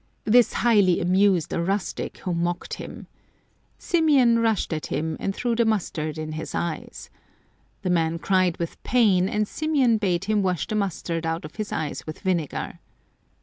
This highly amused a rustic, who mocked him. Symeon rushed at him, and threw the mustard in his eyes. The man cried with pain, and Symeon bade him wash the mustard out of his eyes with vinegar.